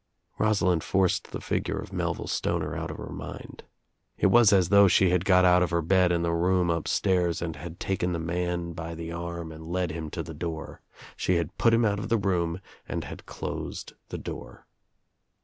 Rosalind forced the figure of Melville Stoner out of her mind. It was as though she had got out of her ted In the room upstairs and had taken the man by the 1S4 THE TRIUMPH OF THE EGG arm to lead him to the door. She had put him out of the room and had closed the door.